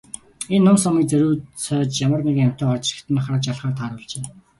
Энэ нум сумыг зориуд сойж ямар нэгэн амьтан орж ирэхэд нь харваж алахаар тааруулжээ.